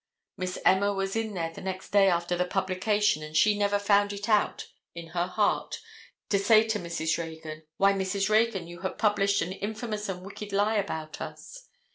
Miss Emma was in there the next day after the publication, and she never found it out in her heart to say to Mrs. Reagan: "Why, Mrs. Reagan, you have published an infamous and wicked lie about us!"